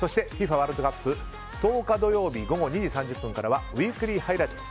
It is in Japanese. ワールドカップ１０日、土曜日午後２時３０分からはウィークリーハイライト。